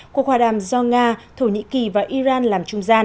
cuộc hòa đàm do nga thổ nhĩ kỳ và iran làm trung gian